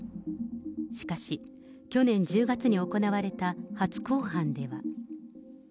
しかし、去年１０月に行われた初公判では。